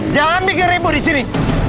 jangan bikin ribu di sini